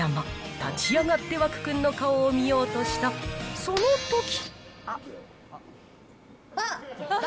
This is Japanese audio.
立ち上がって湧くんの顔を見ようとした、そのとき。